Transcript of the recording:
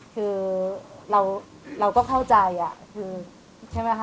คือเราก็เข้าใจ